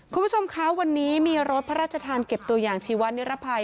คุณผู้ชมคะวันนี้มีรถพระราชทานเก็บตัวอย่างชีวนิรภัย